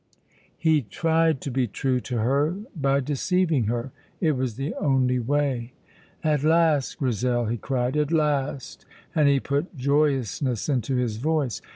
He tried to be true to her by deceiving her. It was the only way. "At last, Grizel," he cried, "at last!" and he put joyousness into his voice.